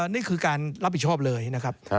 นี่คือการรับผิดชอบเลยนะครับ